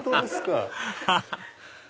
ハハハハ！